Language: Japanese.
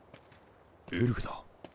エルフだ。